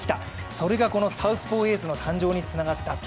それがこのサウスポーエースの誕生につながったと。